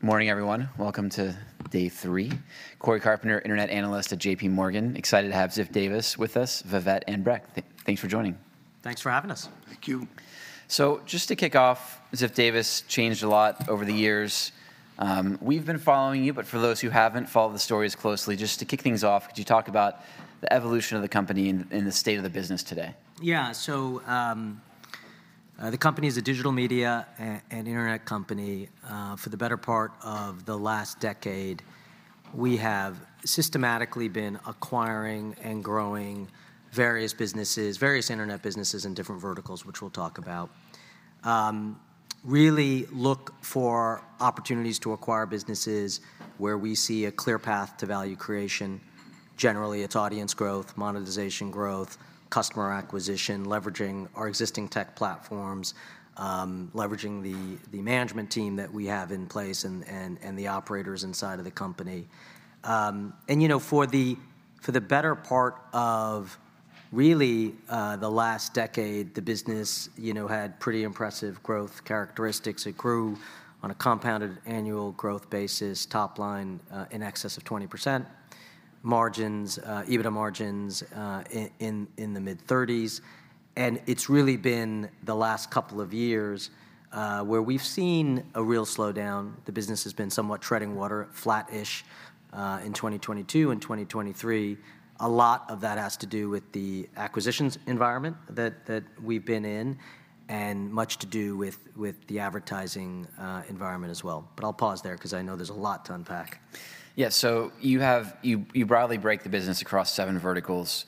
Morning, everyone. Welcome to day three. Cory Carpenter, Internet Analyst at J.P. Morgan. Excited to have Ziff Davis with us, Vivek and Bret. Thanks for joining. Thanks for having us. Thank you. So just to kick off, Ziff Davis changed a lot over the years. We've been following you, but for those who haven't followed the stories closely, just to kick things off, could you talk about the evolution of the company and, and the state of the business today? Yeah, so, the company is a digital media and internet company. For the better part of the last decade, we have systematically been acquiring and growing various businesses, various internet businesses in different verticals, which we'll talk about. Really look for opportunities to acquire businesses where we see a clear path to value creation. Generally, it's audience growth, monetization growth, customer acquisition, leveraging our existing tech platforms, leveraging the management team that we have in place, and the operators inside of the company. And, you know, for the better part really of the last decade, the business, you know, had pretty impressive growth characteristics. It grew on a compounded annual growth basis, top line in excess of 20%. EBITDA margins in the mid-thirties. It's really been the last couple of years where we've seen a real slowdown. The business has been somewhat treading water, flat-ish, in 2022 and 2023. A lot of that has to do with the acquisitions environment that we've been in, and much to do with the advertising environment as well. But I'll pause there, 'cause I know there's a lot to unpack. Yeah, so you have... You, you broadly break the business across seven verticals,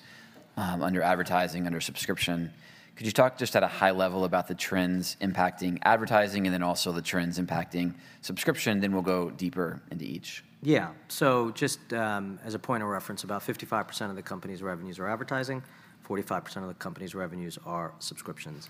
under advertising, under subscription. Could you talk just at a high level about the trends impacting advertising, and then also the trends impacting subscription? Then we'll go deeper into each. Yeah. So just, as a point of reference, about 55% of the company's revenues are advertising, 45% of the company's revenues are subscriptions.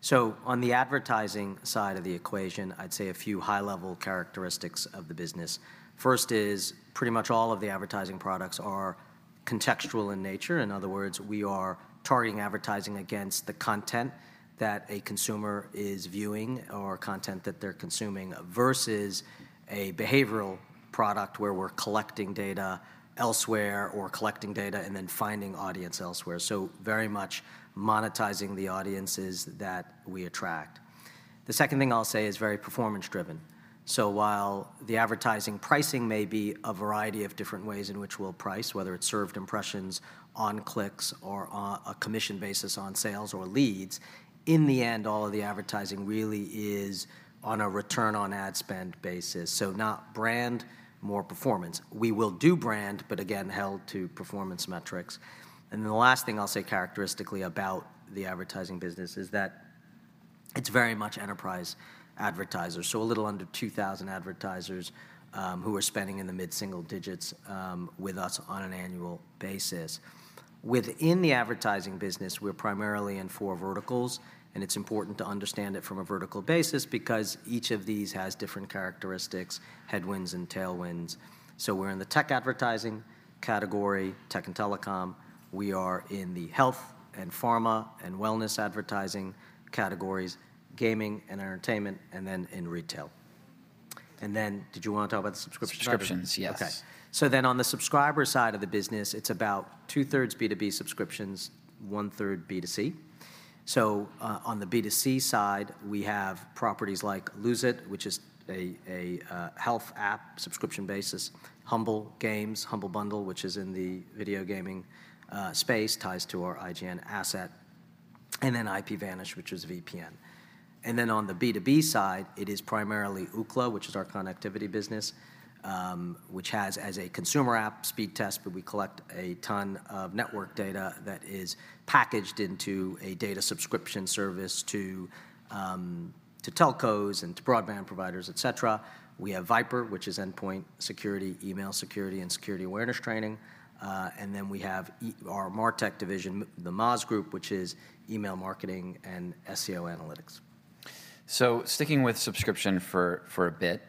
So on the advertising side of the equation, I'd say a few high-level characteristics of the business. First is, pretty much all of the advertising products are contextual in nature. In other words, we are targeting advertising against the content that a consumer is viewing or content that they're consuming, versus a behavioral product, where we're collecting data elsewhere or collecting data and then finding audience elsewhere. So very much monetizing the audiences that we attract. The second thing I'll say is very performance-driven. So while the advertising pricing may be a variety of different ways in which we'll price, whether it's served impressions, on clicks or on a commission basis on sales or leads, in the end, all of the advertising really is on a Return on Ad Spend basis. So not brand, more performance. We will do brand, but again, held to performance metrics. And then the last thing I'll say characteristically about the advertising business is that it's very much enterprise advertisers, so a little under 2,000 advertisers, who are spending in the mid-single digits, with us on an annual basis. Within the advertising business, we're primarily in four verticals, and it's important to understand it from a vertical basis because each of these has different characteristics, headwinds and tailwinds. So we're in the tech advertising category, tech and telecom. We are in the health and pharma and wellness advertising categories, gaming and entertainment, and then in retail. And then did you want to talk about the subscription services? Subscriptions, yes. Okay. So then on the subscriber side of the business, it's about 2/3 B2B subscriptions, 1/3 B2C. So, on the B2C side, we have properties like Lose It!, which is a health app, subscription basis. Humble Games, Humble Bundle, which is in the video gaming space, ties to our IGN asset, and then IPVanish, which is VPN. And then on the B2B side, it is primarily Ookla, which is our connectivity business, which has as a consumer app, Speedtest, but we collect a ton of network data that is packaged into a data subscription service to telcos and to broadband providers, et cetera. We have VIPRE, which is endpoint security, email security, and security awareness training. And then we have our MarTech division, the Moz Group, which is email marketing and SEO analytics. So sticking with subscription for a bit,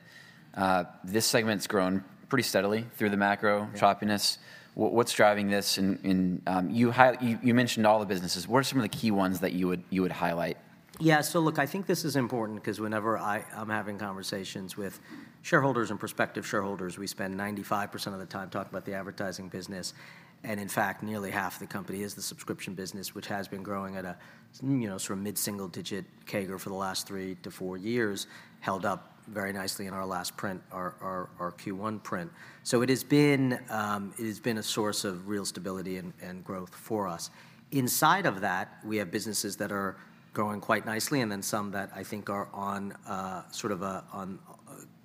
this segment's grown pretty steadily through the macro choppiness. Yeah. What, what's driving this? And, you mentioned all the businesses. What are some of the key ones that you would highlight? Yeah. So look, I think this is important, 'cause whenever I'm having conversations with shareholders and prospective shareholders, we spend 95% of the time talking about the advertising business. In fact, nearly half the company is the subscription business, which has been growing at a, you know, sort of mid-single-digit CAGR for the last three to four years, held up very nicely in our last print, our Q1 print. So it has been a source of real stability and growth for us. Inside of that, we have businesses that are growing quite nicely, and then some that I think are on sort of a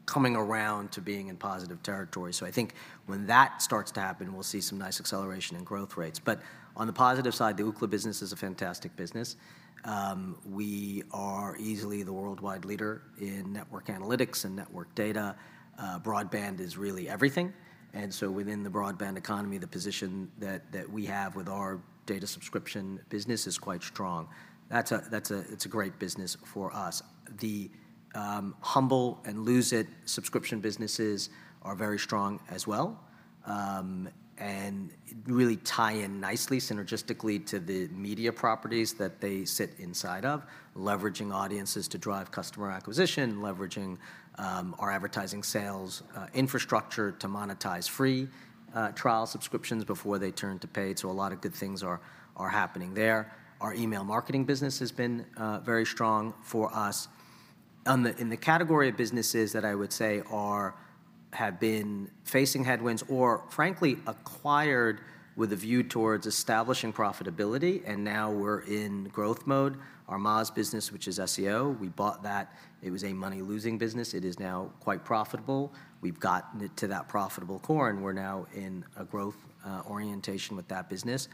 coming around to being in positive territory. So I think when that starts to happen, we'll see some nice acceleration in growth rates. But on the positive side, the Ookla business is a fantastic business. We are easily the worldwide leader in network analytics and network data. Broadband is really everything, and so within the broadband economy, the position that we have with our data subscription business is quite strong. That's a great business for us. The Humble and Lose It! subscription businesses are very strong as well, and really tie in nicely synergistically to the media properties that they sit inside of, leveraging audiences to drive customer acquisition, leveraging our advertising sales infrastructure to monetize free trial subscriptions before they turn to paid. So a lot of good things are happening there. Our email marketing business has been very strong for us. In the category of businesses that I would say have been facing headwinds or frankly acquired with a view towards establishing profitability, and now we're in growth mode, our Moz business, which is SEO, we bought that. It was a money-losing business. It is now quite profitable. We've gotten it to that profitable core, and we're now in a growth orientation with that business.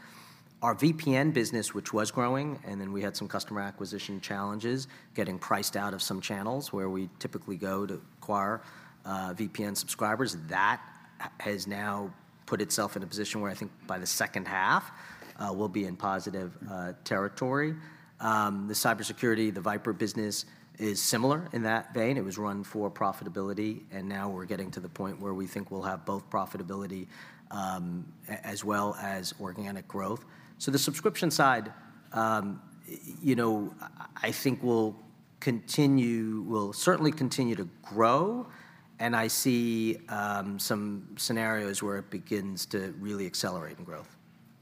Our VPN business, which was growing, and then we had some customer acquisition challenges, getting priced out of some channels where we typically go to acquire VPN subscribers, that has now put itself in a position where I think by the second half we'll be in positive territory. The cybersecurity, the VIPRE business is similar in that vein. It was run for profitability, and now we're getting to the point where we think we'll have both profitability, as well as organic growth. So the subscription side, you know, I think will certainly continue to grow, and I see some scenarios where it begins to really accelerate in growth.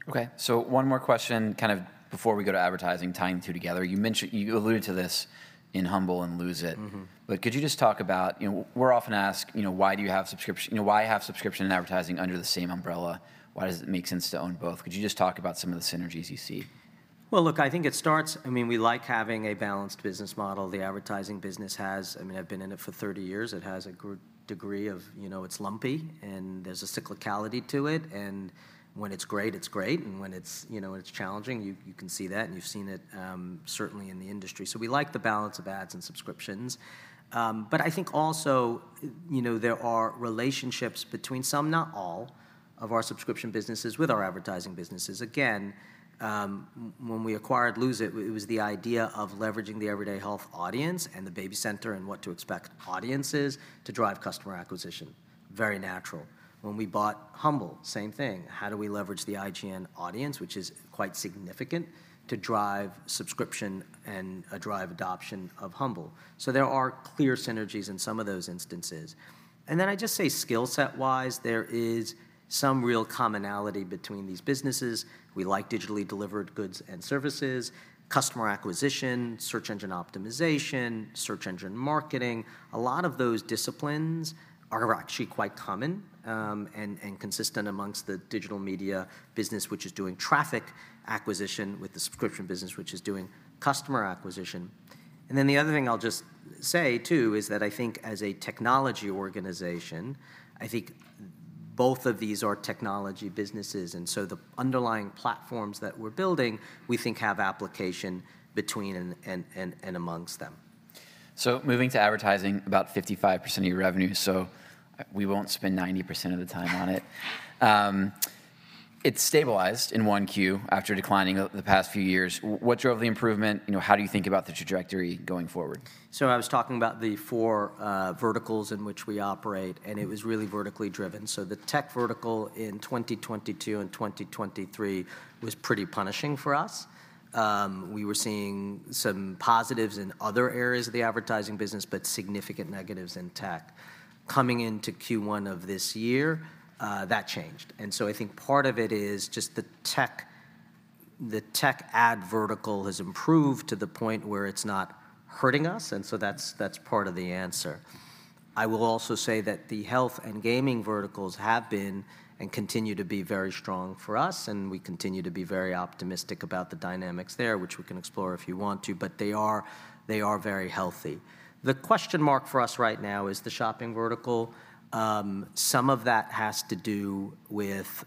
Okay, so one more question kind of before we go to advertising, tying the two together. You mentioned you alluded to this in Humble and Lose It. Mm-hmm. But could you just talk about, you know, we're often asked, you know: Why do you have subscription? You know, why have subscription and advertising under the same umbrella? Why does it make sense to own both? Could you just talk about some of the synergies you see? Well, look, I think it starts. I mean, we like having a balanced business model. The advertising business has... I mean, I've been in it for 30 years. It has a good degree of, you know, it's lumpy, and there's a cyclicality to it, and when it's great, it's great, and when it's, you know, when it's challenging, you can see that, and you've seen it, certainly in the industry. So we like the balance of ads and subscriptions. But I think also, you know, there are relationships between some, not all, of our subscription businesses with our advertising businesses. Again, when we acquired Lose It, it was the idea of leveraging the Everyday Health audience and the BabyCenter and What to Expect audiences to drive customer acquisition. Very natural. When we bought Humble, same thing: How do we leverage the IGN audience, which is quite significant, to drive subscription and drive adoption of Humble? So there are clear synergies in some of those instances. And then I'd just say skill set-wise, there is some real commonality between these businesses. We like digitally delivered goods and services, customer acquisition, search engine optimization, search engine marketing. A lot of those disciplines are actually quite common and consistent amongst the digital media business, which is doing traffic acquisition, with the subscription business, which is doing customer acquisition. And then the other thing I'll just say, too, is that I think as a technology organization, I think both of these are technology businesses, and so the underlying platforms that we're building, we think, have application between and amongst them. Moving to advertising, about 55% of your revenue, so we won't spend 90% of the time on it. It's stabilized in 1Q after declining over the past few years. What drove the improvement? You know, how do you think about the trajectory going forward? So I was talking about the four verticals in which we operate, and it was really vertically driven. So the tech vertical in 2022 and 2023 was pretty punishing for us. We were seeing some positives in other areas of the advertising business, but significant negatives in tech. Coming into Q1 of this year, that changed, and so I think part of it is just the tech, the tech ad vertical has improved to the point where it's not hurting us, and so that's, that's part of the answer. I will also say that the health and gaming verticals have been and continue to be very strong for us, and we continue to be very optimistic about the dynamics there, which we can explore if you want to, but they are, they are very healthy. The question mark for us right now is the shopping vertical. Some of that has to do with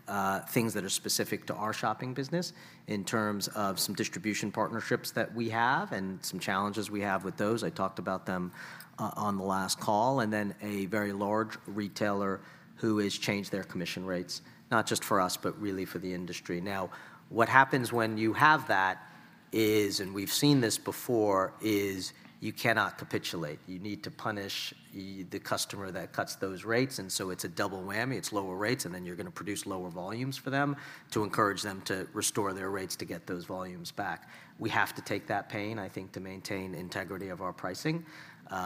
things that are specific to our shopping business in terms of some distribution partnerships that we have and some challenges we have with those. I talked about them on the last call, and then a very large retailer who has changed their commission rates, not just for us, but really for the industry. Now, what happens when you have that is, and we've seen this before, is you cannot capitulate. You need to punish the customer that cuts those rates, and so it's a double whammy. It's lower rates, and then you're gonna produce lower volumes for them to encourage them to restore their rates to get those volumes back. We have to take that pain, I think, to maintain integrity of our pricing.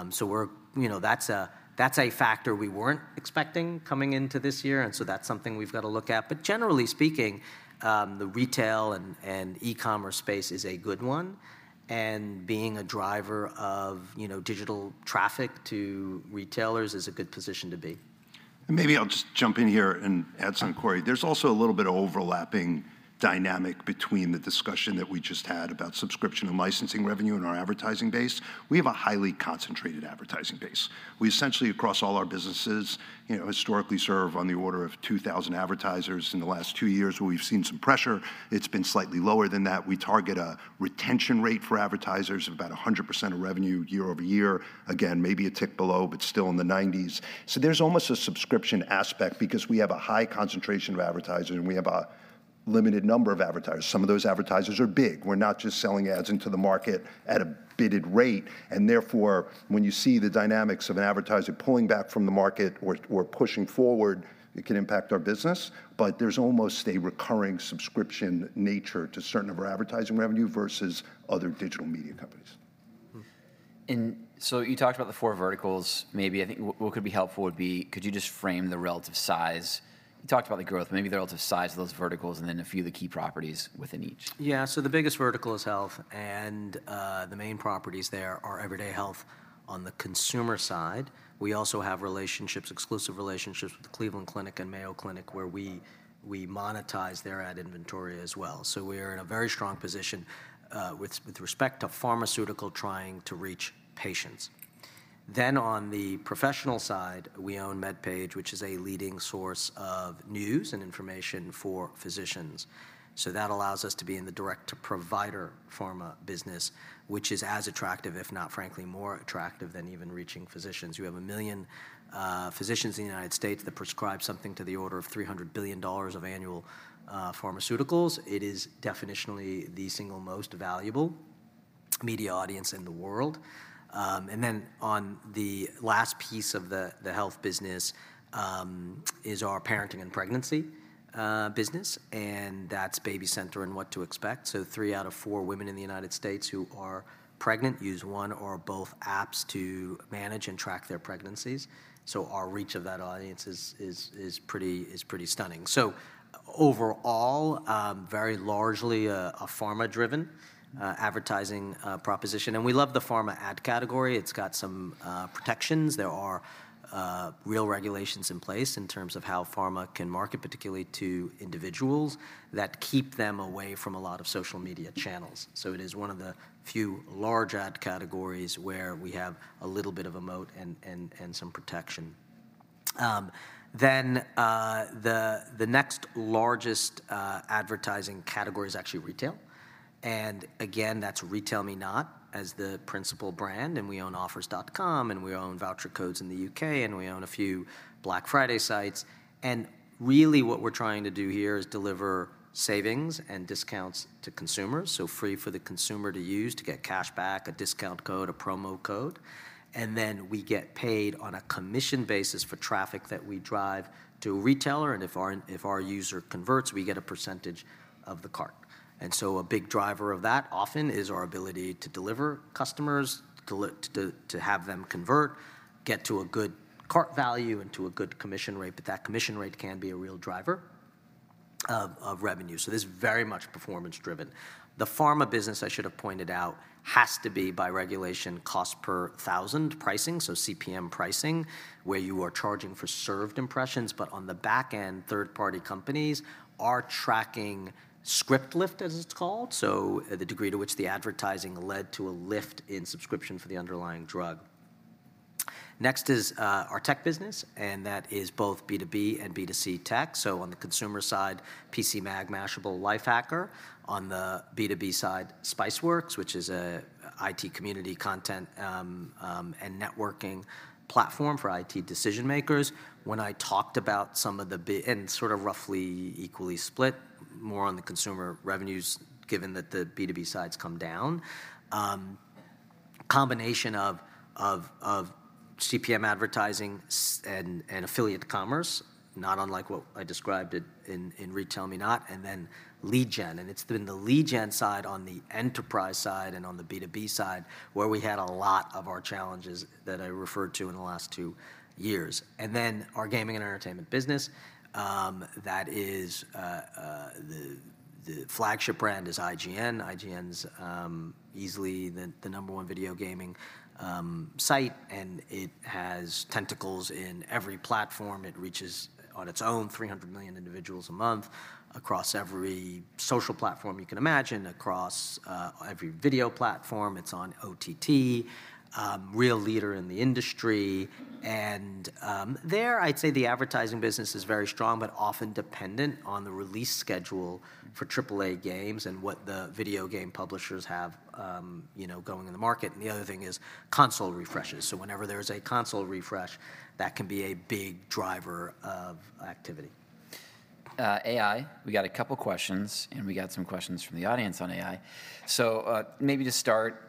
So, you know, that's a, that's a factor we weren't expecting coming into this year, and so that's something we've got to look at. But generally speaking, the retail and e-commerce space is a good one, and being a driver of, you know, digital traffic to retailers is a good position to be. And maybe I'll just jump in here and add something, Cory. There's also a little bit of overlapping dynamic between the discussion that we just had about subscription and licensing revenue and our advertising base. We have a highly concentrated advertising base. We essentially, across all our businesses, you know, historically serve on the order of 2,000 advertisers. In the last two years, where we've seen some pressure, it's been slightly lower than that. We target a retention rate for advertisers of about 100% of revenue year over year. Again, maybe a tick below, but still in the 90s. So there's almost a subscription aspect because we have a high concentration of advertisers, and we have a limited number of advertisers. Some of those advertisers are big. We're not just selling ads into the market at a bidded rate, and therefore, when you see the dynamics of an advertiser pulling back from the market or pushing forward, it can impact our business, but there's almost a recurring subscription nature to certain of our advertising revenue versus other digital media companies. And so you talked about the four verticals, maybe I think what could be helpful would be, could you just frame the relative size? You talked about the growth, maybe the relative size of those verticals, and then a few of the key properties within each. Yeah, so the biggest vertical is health, and the main properties there are Everyday Health on the consumer side. We also have relationships, exclusive relationships with The Cleveland Clinic and Mayo Clinic, where we monetize their ad inventory as well. So we are in a very strong position with respect to pharmaceutical trying to reach patients. Then on the professional side, we own MedPage, which is a leading source of news and information for physicians. So that allows us to be in the direct-to-provider pharma business, which is as attractive, if not frankly, more attractive than even reaching physicians. You have 1 million physicians in the United States that prescribe something to the order of $300 billion of annual pharmaceuticals. It is definitionally the single most valuable media audience in the world. And then on the last piece of the health business is our parenting and pregnancy business, and that's BabyCenter and What to Expect. So three out of four women in the United States who are pregnant use one or both apps to manage and track their pregnancies. So our reach of that audience is pretty stunning. So overall, very largely a pharma-driven advertising proposition, and we love the pharma ad category. It's got some protections. There are real regulations in place in terms of how pharma can market, particularly to individuals, that keep them away from a lot of social media channels. So it is one of the few large ad categories where we have a little bit of a moat and some protection. Then, the next largest advertising category is actually retail, and again, that's RetailMeNot as the principal brand, and we own Offers.com, and we own VoucherCodes in the U.K., and we own a few Black Friday sites. And really, what we're trying to do here is deliver savings and discounts to consumers, so free for the consumer to use to get cashback, a discount code, a promo code. And then we get paid on a commission basis for traffic that we drive to a retailer, and if our user converts, we get a percentage of the cart. And so a big driver of that often is our ability to deliver customers, to have them convert, get to a good cart value and to a good commission rate, but that commission rate can be a real driver of revenue. So this is very much performance-driven. The pharma business, I should have pointed out, has to be by regulation, cost per thousand pricing, so CPM pricing, where you are charging for served impressions, but on the back end, third-party companies are tracking script lift, as it's called, so the degree to which the advertising led to a lift in subscription for the underlying drug. Next is our tech business, and that is both B2B and B2C tech. So on the consumer side, PCMag, Mashable, Lifehacker. On the B2B side, Spiceworks, which is an IT community content and networking platform for IT decision-makers. When I talked about some of the B2B and sort of roughly equally split, more on the consumer revenues, given that the B2B side's come down. Combination of CPM advertising and affiliate commerce, not unlike what I described it in RetailMeNot, and then lead gen. It's been the lead gen side on the enterprise side and on the B2B side, where we had a lot of our challenges that I referred to in the last two years. Our gaming and entertainment business, that is, the flagship brand is IGN. IGN's easily the number one video gaming site, and it has tentacles in every platform. It reaches on its own 300 million individuals a month across every social platform you can imagine, across every video platform. It's on OTT, real leader in the industry. And there, I'd say the advertising business is very strong, but often dependent on the release schedule for AAA games and what the video game publishers have, you know, going in the market, and the other thing is console refreshes. So whenever there is a console refresh, that can be a big driver of activity. AI, we got a couple questions, and we got some questions from the audience on AI. So, maybe to start,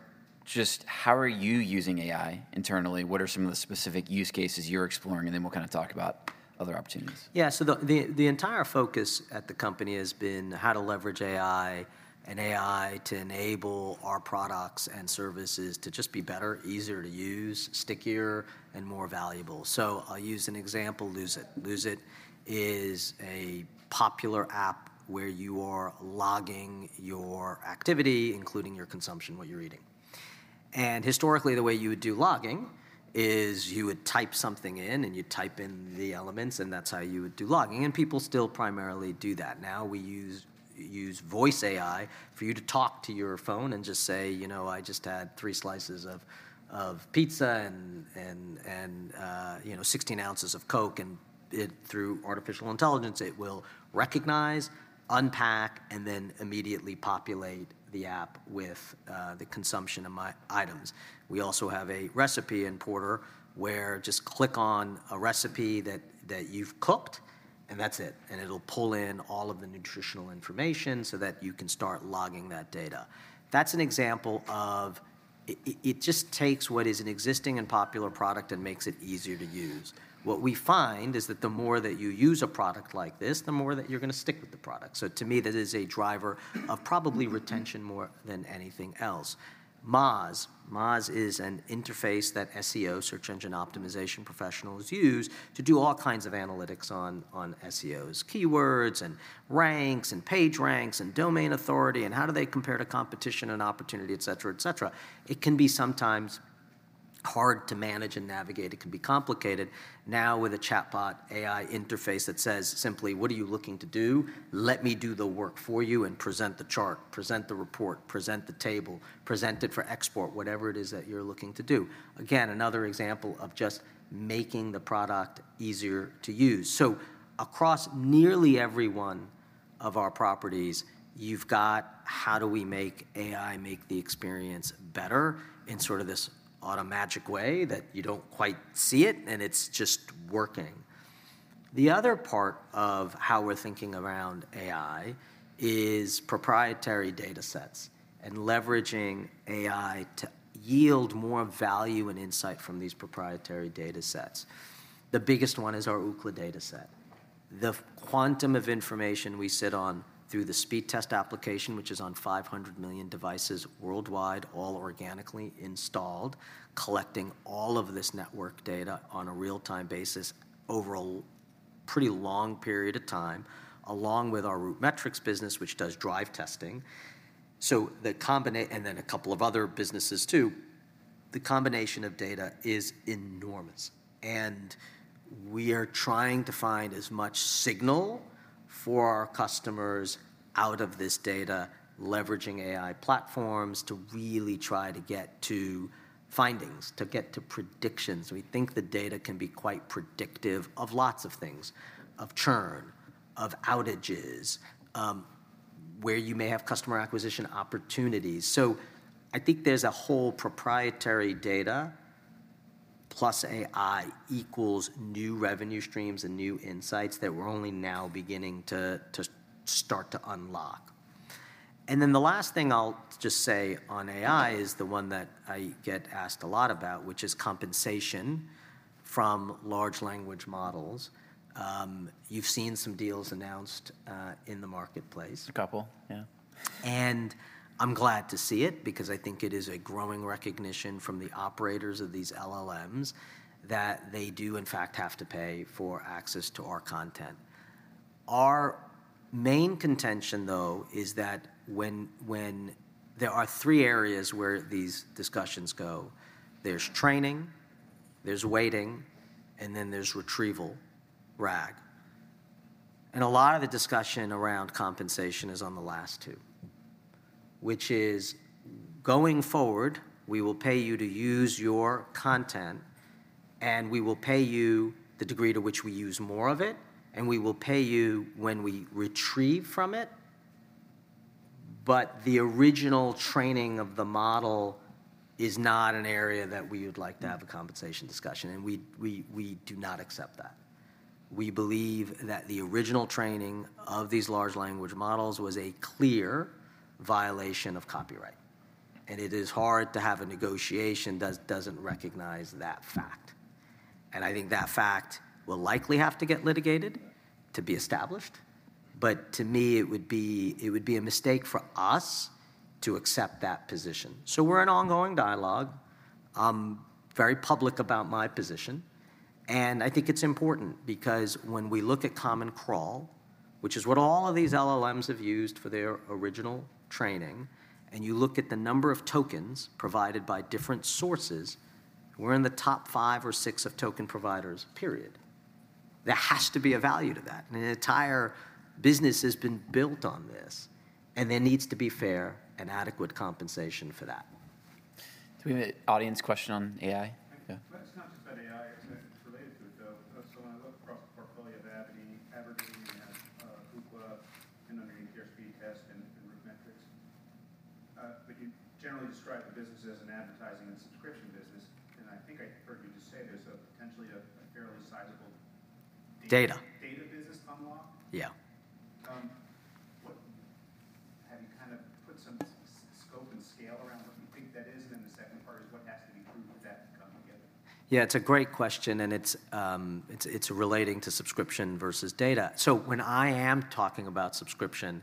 just how are you using AI internally? What are some of the specific use cases you're exploring? And then we'll kinda talk about other opportunities. Yeah, so the entire focus at the company has been how to leverage AI and AI to enable our products and services to just be better, easier to use, stickier, and more valuable. I'll use an example, Lose It!. Lose It! is a popular app where you are logging your activity, including your consumption, what you're eating. Historically, the way you would do logging is you would type something in, and you'd type in the elements, and that's how you would do logging, and people still primarily do that. Now, we use voice AI for you to talk to your phone and just say, you know, I just had three slices of pizza and, you know, 16 ounces of Coke, and it, through artificial intelligence, it will recognize, unpack, and then immediately populate the app with the consumption of my items. We also have a recipe importer, where just click on a recipe that you've cooked and that's it, and it'll pull in all of the nutritional information so that you can start logging that data. That's an example of it just takes what is an existing and popular product and makes it easier to use. What we find is that the more that you use a product like this, the more that you're gonna stick with the product. So to me, that is a driver of probably retention more than anything else. Moz. Moz is an interface that SEO, search engine optimization, professionals use to do all kinds of analytics on, on SEOs, keywords, and ranks, and page ranks, and domain authority, and how do they compare to competition and opportunity, et cetera, et cetera. It can be sometimes hard to manage and navigate. It can be complicated. Now, with a chatbot AI interface that says simply, what are you looking to do? Let me do the work for you and present the chart, present the report, present the table, present it for export, whatever it is that you're looking to do. Again, another example of just making the product easier to use. So across nearly every one of our properties, you've got, how do we make AI make the experience better in sort of this automagic way that you don't quite see it, and it's just working? The other part of how we're thinking around AI is proprietary datasets and leveraging AI to yield more value and insight from these proprietary datasets. The biggest one is our Ookla dataset. The quantum of information we sit on through the speed test application, which is on 500 million devices worldwide, all organically installed, collecting all of this network data on a real-time basis over a pretty long period of time, along with our RootMetrics business, which does drive testing. So the combination and then a couple of other businesses too, the combination of data is enormous, and we are trying to find as much signal for our customers out of this data, leveraging AI platforms, to really try to get to findings, to get to predictions. We think the data can be quite predictive of lots of things: of churn, of outages, where you may have customer acquisition opportunities. So I think there's a whole proprietary data plus AI equals new revenue streams and new insights that we're only now beginning to, to start to unlock. And then the last thing I'll just say on AI is the one that I get asked a lot about, which is compensation from large language models. You've seen some deals announced, in the marketplace. A couple, yeah. I'm glad to see it because I think it is a growing recognition from the operators of these LLMs that they do, in fact, have to pay for access to our content. Our main contention, though, is that there are three areas where these discussions go: There's training, there's weighting, and then there's retrieval, RAG. A lot of the discussion around compensation is on the last two, which is, going forward, we will pay you to use your content, and we will pay you the degree to which we use more of it, and we will pay you when we retrieve from it, but the original training of the model is not an area that we would like to have a compensation discussion, and we do not accept that. We believe that the original training of these large language models was a clear violation of copyright, and it is hard to have a negotiation doesn't recognize that fact, and I think that fact will likely have to get litigated to be established, but to me, it would be, it would be a mistake for us to accept that position. So we're in ongoing dialogue. I'm very public about my position, and I think it's important because when we look at Common Crawl, which is what all of these LLMs have used for their original training, and you look at the number of tokens provided by different sources, we're in the top five or six of token providers, period. There has to be a value to that, and an entire business has been built on this, and there needs to be fair and adequate compensation for that. Do we have an audience question on AI? Yeah. Well, it's not just about AI. It's, it's related to it, though. So when I look across the portfolio of Aberdeen, you have Ookla, and under your Speedtest and RootMetrics, but you generally describe the business as an advertising and subscription business, and I think I heard you just say there's a potentially a fairly sizable- Data... data business unlocked? Yeah. What have you kind of put some scope and scale around what you think that is? And then the second part is: What has to be true for that to come together? Yeah, it's a great question, and it's relating to subscription versus data. So when I am talking about subscription,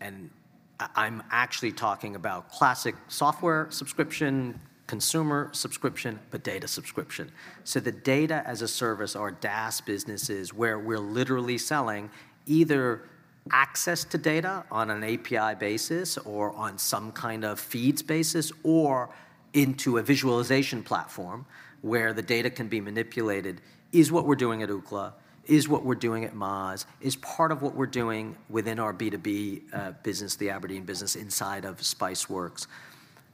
and I, I'm actually talking about classic software subscription, consumer subscription, but data subscription. So the data as a service, or DaaS businesses, where we're literally selling either access to data on an API basis or on some kind of feeds basis or into a visualization platform where the data can be manipulated, is what we're doing at Ookla, is what we're doing at Moz, is part of what we're doing within our B2B business, the Aberdeen business, inside of Spiceworks.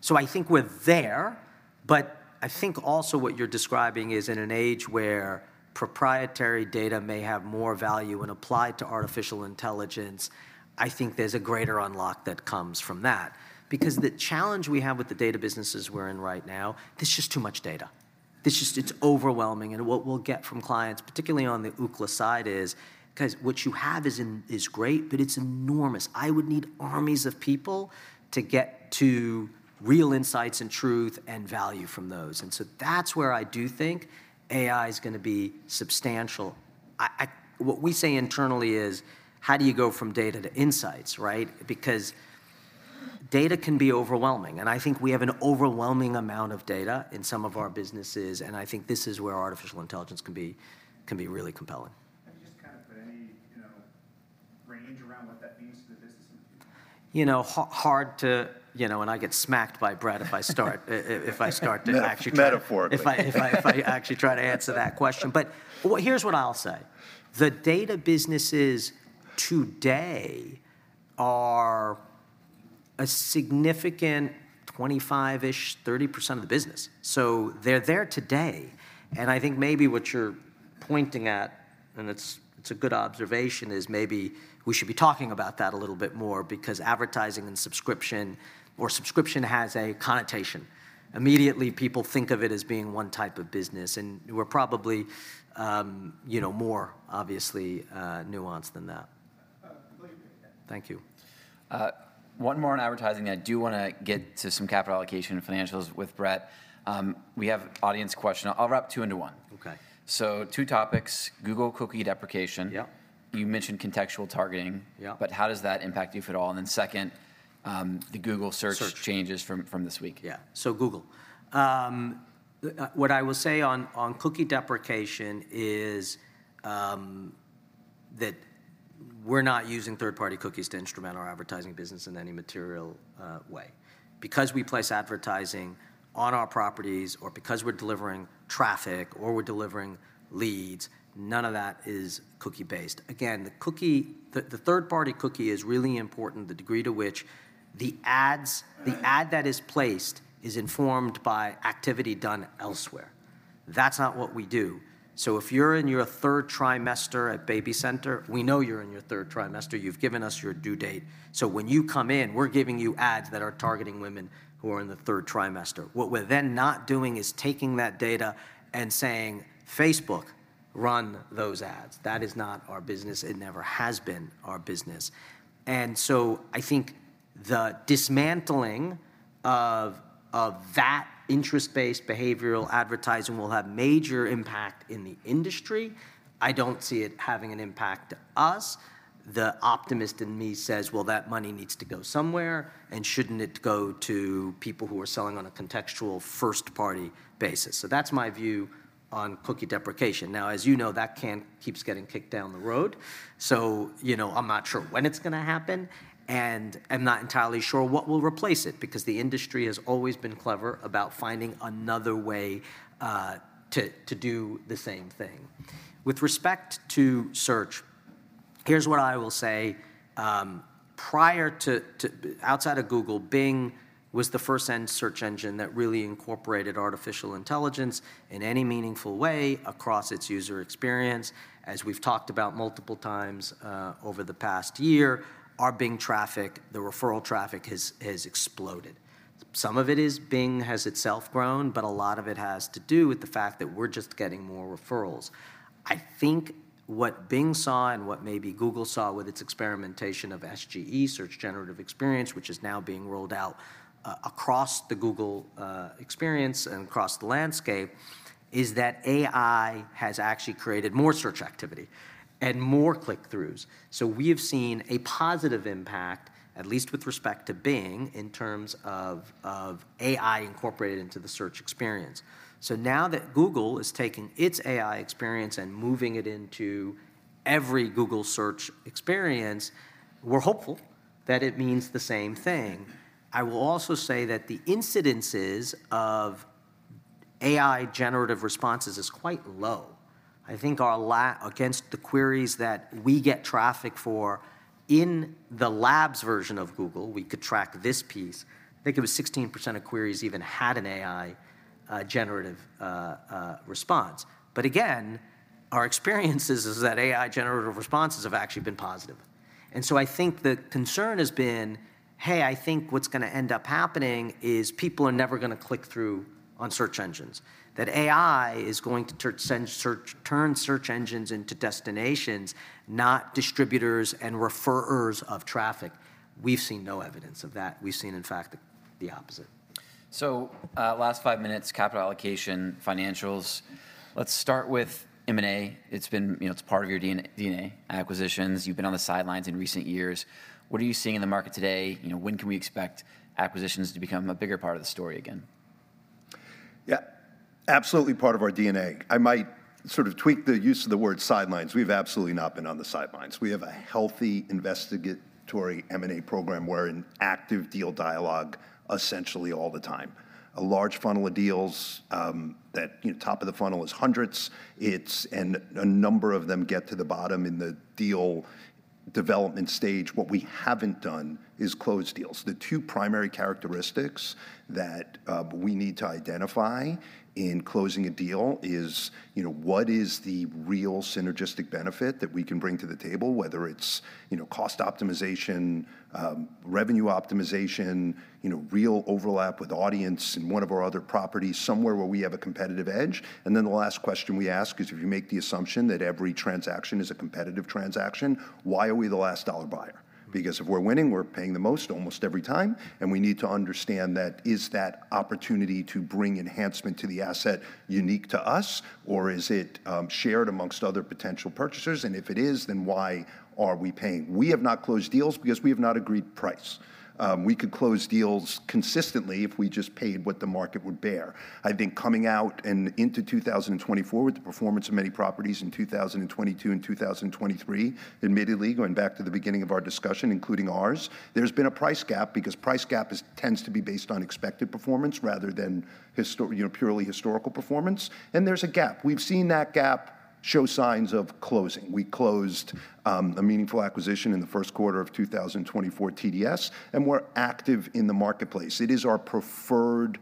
So I think we're there, but I think also what you're describing is in an age where proprietary data may have more value when applied to artificial intelligence. I think there's a greater unlock that comes from that. Because the challenge we have with the data businesses we're in right now, there's just too much data. It's just, it's overwhelming, and what we'll get from clients, particularly on the Ookla side, is, guys, what you have is great, but it's enormous. I would need armies of people to get to real insights and truth and value from those. And so that's where I do think AI is gonna be substantial. What we say internally is, how do you go from data to insights, right? Because data can be overwhelming, and I think we have an overwhelming amount of data in some of our businesses, and I think this is where artificial intelligence can be really compelling. Can you just kind of put any, you know, range around what that means to the business in the future? You know, hard to, you know, and I get smacked by Bret if I start to actually- Metaphorically. If I actually try to answer that question. But here's what I'll say: the data businesses today are a significant 25-ish, 30% of the business, so they're there today. And I think maybe what you're pointing at, and it's a good observation, is maybe we should be talking about that a little bit more, because advertising and subscription or subscription has a connotation. Immediately, people think of it as being one type of business, and we're probably, you know, more obviously, nuanced than that. Go ahead. Thank you. One more on advertising, and I do wanna get to some capital allocation and financials with Bret. We have audience question. I'll wrap two into one. Okay. Two topics: Google cookie deprecation. Yep. You mentioned contextual targeting- Yeah... but how does that impact you, if at all? And then second, the Google Search- Search... changes from this week. Yeah, so Google. What I will say on cookie deprecation is that we're not using third-party cookies to instrument our advertising business in any material way. Because we place advertising on our properties or because we're delivering traffic or we're delivering leads, none of that is cookie-based. Again, the cookie, the third-party cookie is really important, the degree to which the ad that is placed is informed by activity done elsewhere. That's not what we do. So if you're in your third trimester at BabyCenter, we know you're in your third trimester. You've given us your due date, so when you come in, we're giving you ads that are targeting women who are in the third trimester. What we're then not doing is taking that data and saying, Facebook, run those ads. That is not our business. It never has been our business. And so I think the dismantling of that interest-based behavioral advertising will have major impact in the industry. I don't see it having an impact to us. The optimist in me says: Well, that money needs to go somewhere, and shouldn't it go to people who are selling on a contextual first-party basis? So that's my view on cookie deprecation. Now, as you know, that keeps getting kicked down the road, so, you know, I'm not sure when it's gonna happen, and I'm not entirely sure what will replace it, because the industry has always been clever about finding another way to do the same thing. With respect to search, here's what I will say. Prior to outside of Google, Bing was the first search engine that really incorporated artificial intelligence in any meaningful way across its user experience. As we've talked about multiple times, over the past year, our Bing traffic, the referral traffic has exploded. Some of it is Bing has itself grown, but a lot of it has to do with the fact that we're just getting more referrals. I think what Bing saw, and what maybe Google saw with its experimentation of SGE, Search Generative Experience, which is now being rolled out across the Google experience and across the landscape, is that AI has actually created more search activity and more click-throughs. So we have seen a positive impact, at least with respect to Bing, in terms of AI incorporated into the search experience. So now that Google is taking its AI experience and moving it into every Google Search experience, we're hopeful that it means the same thing. I will also say that the incidences of AI generative responses is quite low. I think our against the queries that we get traffic for in the Labs version of Google, we could track this piece, I think it was 16% of queries even had an AI generative response. But again, our experiences is that AI generative responses have actually been positive, and so I think the concern has been, hey, I think what's gonna end up happening is people are never gonna click through on search engines, that AI is going to turn search engines into destinations, not distributors and referrers of traffic. We've seen no evidence of that. We've seen, in fact, the opposite. So, last five minutes, capital allocation, financials. Let's start with M&A. It's been, you know, it's part of your DNA, acquisitions. You've been on the sidelines in recent years. What are you seeing in the market today? You know, when can we expect acquisitions to become a bigger part of the story again? Yeah, absolutely part of our DNA. I might sort of tweak the use of the word sidelines. We've absolutely not been on the sidelines. We have a healthy investigatory M&A program. We're in active deal dialogue essentially all the time. A large funnel of deals, you know, top of the funnel is hundreds, and a number of them get to the bottom in the deal development stage. What we haven't done is close deals. The two primary characteristics that we need to identify in closing a deal is, you know, what is the real synergistic benefit that we can bring to the table, whether it's, you know, cost optimization, revenue optimization, you know, real overlap with audience in one of our other properties, somewhere where we have a competitive edge. And then the last question we ask is, if you make the assumption that every transaction is a competitive transaction, why are we the last dollar buyer? Because if we're winning, we're paying the most almost every time, and we need to understand that, is that opportunity to bring enhancement to the asset unique to us, or is it, shared amongst other potential purchasers? And if it is, then why are we paying? We have not closed deals because we have not agreed price. We could close deals consistently if we just paid what the market would bear. I think coming out and into 2024, with the performance of many properties in 2022 and 2023, admittedly, going back to the beginning of our discussion, including ours, there's been a price gap, because price gap tends to be based on expected performance rather than historical, you know, purely historical performance, and there's a gap. We've seen that gap show signs of closing. We closed a meaningful acquisition in the first quarter of 2024, TDS, and we're active in the marketplace. It is our preferred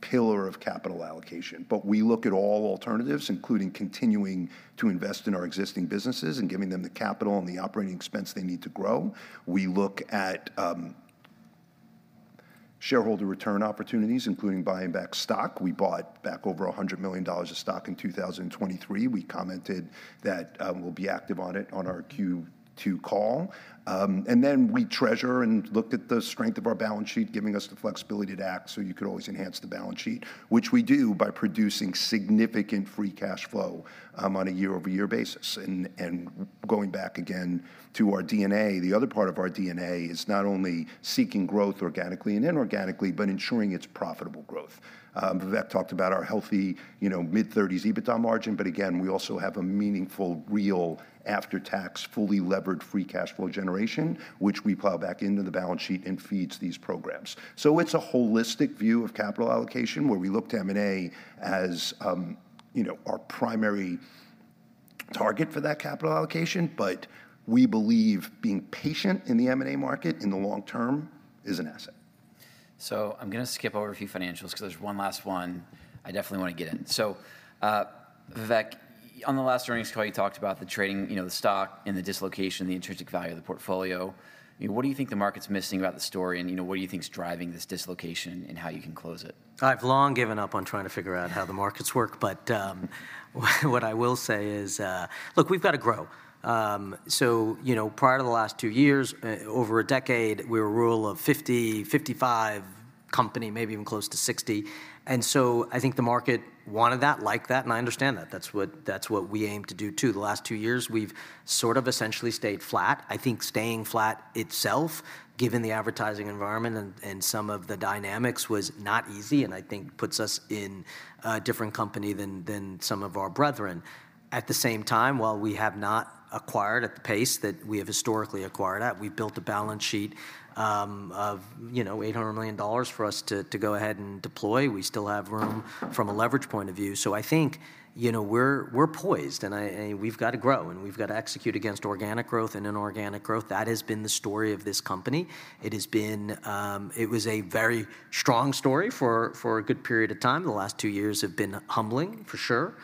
pillar of capital allocation. But we look at all alternatives, including continuing to invest in our existing businesses and giving them the capital and the operating expense they need to grow. We look at shareholder return opportunities, including buying back stock. We bought back over $100 million of stock in 2023. We commented that, we'll be active on it on our Q2 call. And then we treasure and looked at the strength of our balance sheet, giving us the flexibility to act, so you could always enhance the balance sheet, which we do by producing significant free cash flow, on a year-over-year basis. And going back again to our DNA, the other part of our DNA is not only seeking growth organically and inorganically, but ensuring it's profitable growth. Vivek talked about our healthy, you know, mid-thirties EBITDA margin, but again, we also have a meaningful, real after-tax, fully levered free cash flow generation, which we plow back into the balance sheet and feeds these programs. So it's a holistic view of capital allocation, where we look to M&A as, you know, our primary target for that capital allocation, but we believe being patient in the M&A market in the long term is an asset. So I'm gonna skip over a few financials, because there's one last one I definitely wanna get in. So, Vivek, on the last earnings call, you talked about the trading, you know, the stock and the dislocation, the intrinsic value of the portfolio. You know, what do you think the market's missing about the story, and, you know, what do you think is driving this dislocation, and how you can close it? I've long given up on trying to figure out how the markets work, but, what I will say is, look, we've got to grow. So, you know, prior to the last two years, over a decade, we're a Rule of 50, 55 company, maybe even close to 60. And so I think the market wanted that, liked that, and I understand that. That's what, that's what we aim to do, too. The last two years, we've sort of essentially stayed flat. I think staying flat itself, given the advertising environment and, and some of the dynamics, was not easy, and I think puts us in a different company than, than some of our brethren. At the same time, while we have not acquired at the pace that we have historically acquired at, we've built a balance sheet of, you know, $800 million for us to go ahead and deploy. We still have room from a leverage point of view. So I think, you know, we're poised, and we've got to grow, and we've got to execute against organic growth and inorganic growth. That has been the story of this company. It has been. It was a very strong story for a good period of time. The last two years have been humbling, for sure.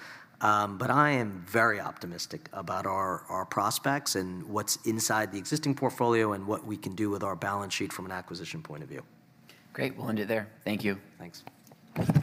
But I am very optimistic about our prospects and what's inside the existing portfolio, and what we can do with our balance sheet from an acquisition point of view. Great. We'll end it there. Thank you. Thanks.